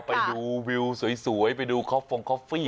ไปดูวิวสวยไปดูคอปฟงคอฟฟี่